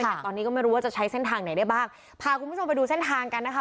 แต่ตอนนี้ก็ไม่รู้ว่าจะใช้เส้นทางไหนได้บ้างพาคุณผู้ชมไปดูเส้นทางกันนะคะ